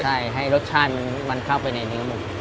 ใช่ให้รสชาติมันเข้าไปในเนื้อหมู